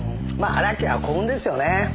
荒木は幸運ですよね。